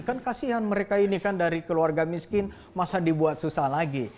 kan kasihan mereka ini kan dari keluarga miskin masa dibuat susah lagi